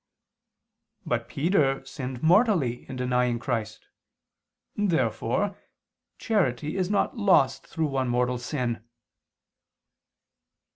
But Peter sinned mortally in denying Christ. Therefore charity is not lost through one mortal sin.